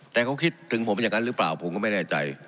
แต่เขาคิดถึงผมอย่างนั้นหรือเปล่าผมก็ไม่แน่ใจ